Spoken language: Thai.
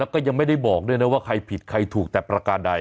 แล้วก็ยังไม่ได้บอกด้วยนะว่าใครผิดใครถูกแต่ประการใด